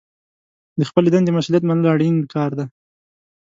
د خپلې دندې مسوولیت منل اړین کار دی.